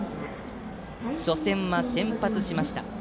初戦は先発しました。